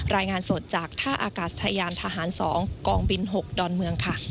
รายงานสดจากท่าอากาศยานทหาร๒กองบิน๖ดอนเมืองค่ะ